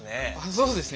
そうですね